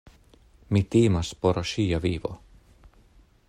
Mi timas por ŝia vivo.